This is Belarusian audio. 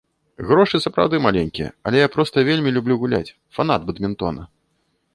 Грошы сапраўды маленькія, але я проста вельмі люблю гуляць, фанат бадмінтона.